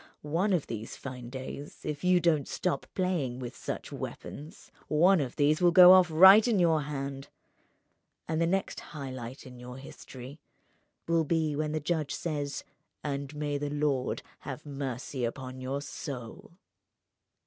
One of these fine days, if you don't stop playing with such weapons, one of these will go off right in your hand—and the next high light in your history will be when the judge says: 'And may the Lord have mercy on your soul!